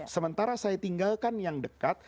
sementara saya tinggalkan yang dekat